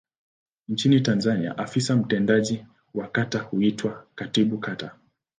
Nchini Tanzania afisa mtendaji wa kata huitwa Katibu Kata.